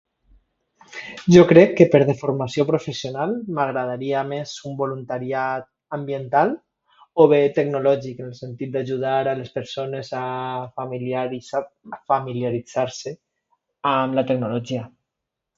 Jo crec que per deformació professional m'agradaria més un voluntariat ambiental o bé tecnològic en el sentit d'ajudar les persones a familiaritzar-se amb la tecnologia.